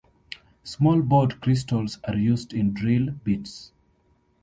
Small bort crystals are used in drill bits.